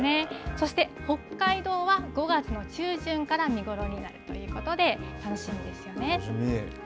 そして北海道は５月の中旬から見頃になるということで、楽しみで楽しみ。